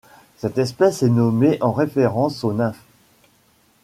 Cette espèce est nommée en référence aux nymphes.